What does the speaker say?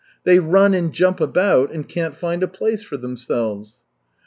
They run and jump about, and can't find a place for themselves."